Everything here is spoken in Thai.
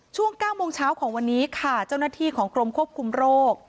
ช่วง๙โมงเช้าของวันนี้ค่ะเจ้าหน้าที่ของกรมควบคุมโรค